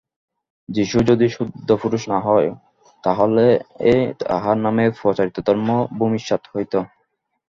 যীশু যদি সিদ্ধপুরুষ না হন, তাহা হইলে তাঁহার নামে প্রচারিত ধর্ম ভূমিসাৎ হইত।